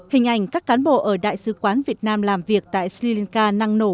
hình ảnh các cán bộ ở đại sứ quán việt nam làm việc tại sri lanka năng nổ